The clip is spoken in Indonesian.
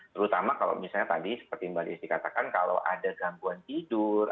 terutama kalau misalnya tadi seperti mbak desi katakan kalau ada gangguan tidur